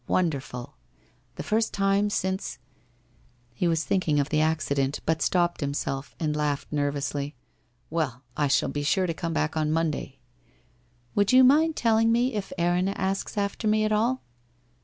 Wonderful ! The first time since ' He was thinking of the accident, but stopped himself and laughed nervously. ' Well, I shall be sure to come back on Monday !'' Would you mind telling me if Erinna asks after me at all?'